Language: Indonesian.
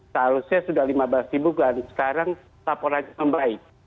seharusnya sudah lima belas ribu dan sekarang laporan membaik